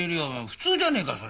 普通じゃねえかよ